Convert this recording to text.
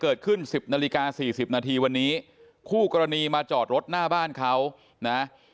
เกิดขึ้น๑๐นาฬิกา๔๐นาทีวันนี้คู่กรณีมาจอดรถหน้าบ้านเขานะ